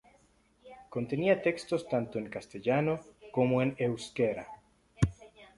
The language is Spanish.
Contenía textos tanto en castellano como en euskera.